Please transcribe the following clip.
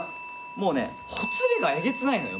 もうねほつれがえげつないのよ